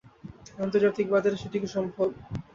আন্তর্জাতিক বাজারে সেটি কি সম্ভব?